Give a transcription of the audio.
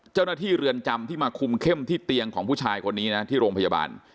เรือนจำที่มาคุมเข้มที่เตียงของผู้ชายคนนี้นะที่โรงพยาบาล